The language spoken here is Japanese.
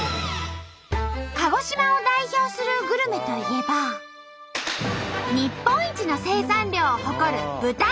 鹿児島を代表するグルメといえば日本一の生産量を誇る豚肉。